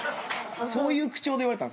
そういう口調で言われたの？